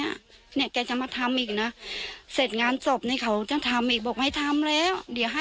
ยังไม่ได้ให้เลยเขาจะมาทำก็ไม่ทำแล้ว